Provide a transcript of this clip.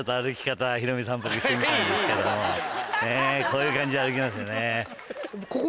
こういう感じで歩きますよね。